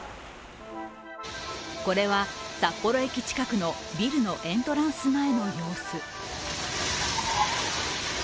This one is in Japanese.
これは札幌駅近くのビルのエントランス前の様子。